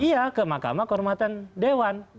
iya ke mahkamah kehormatan dewan